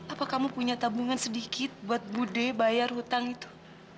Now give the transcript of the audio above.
apa kamu punya tabungan sedikit buat bude bayar hutang itu